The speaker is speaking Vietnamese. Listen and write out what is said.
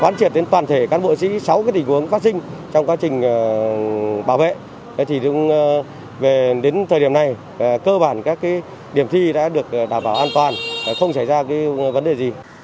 quán triển đến toàn thể các bộ sĩ sáu cái tình huống phát sinh trong quá trình bảo vệ thì cũng đến thời điểm này cơ bản các điểm thi đã được đảm bảo an toàn không xảy ra vấn đề gì